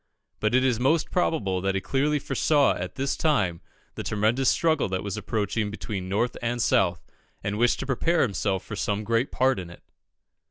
But it is most probable that he clearly foresaw at this time the tremendous struggle which was approaching between North and South, and wished to prepare himself for some great part in it.